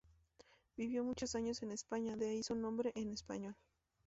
Vivió muchos años en España, de ahí su nombre en español.